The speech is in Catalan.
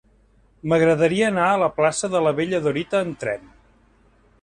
M'agradaria anar a la plaça de la Bella Dorita amb tren.